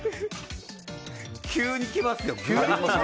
急に来ますよ。